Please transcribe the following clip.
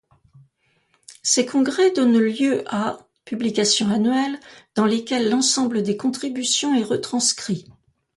Ces congrès donnent lieu à publications annuelles dans lesquelles l'ensemble des contributions est retranscrit.